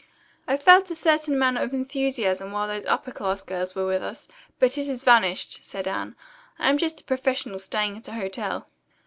"I felt a certain amount of enthusiasm while those upper class girls were with us, but it has vanished," said Anne. "I am just a professional staying at a hotel."